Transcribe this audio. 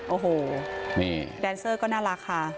โอ้โหนี่แดนเซอร์ก็น่ารักค่ะ